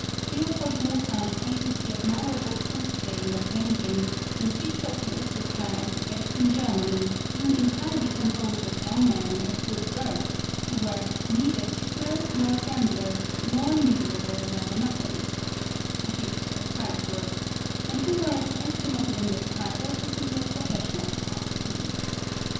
L. Mozart praises the admirable flute playing of Wendling, and speaks of the orchestra as the best in Germany, being entirely composed of young men of good birth, who were "neither tipplers, nor gamblers, nor miserable ragamuffins" (a hit at Salzburg), and who were as estimable in their private as in their professional capacity.